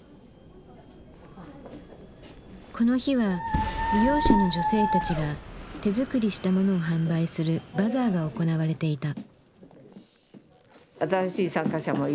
この日は利用者の女性たちが手作りしたものを販売するバザーが行われていた。